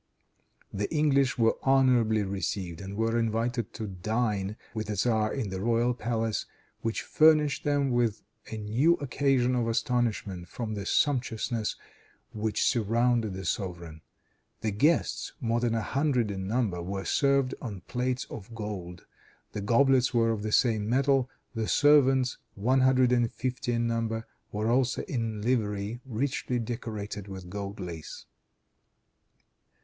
The English were honorably received, and were invited to dine with the tzar in the royal palace, which furnished them with a new occasion of astonishment from the sumptuousness which surrounded the sovereign. The guests, more than a hundred in number, were served on plates of gold. The goblets were of the same metal. The servants, one hundred and fifty in number, were also in livery richly decorated with gold lace.